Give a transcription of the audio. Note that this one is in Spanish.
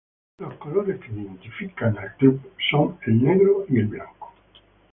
Los colores que identifican al club son el negro y el blanco.